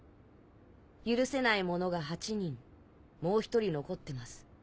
「許せない者が８人もう１人残ってます」。